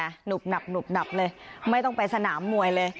หนุบหนับหนุบหนับเลยไม่ต้องไปสนามมวยเลย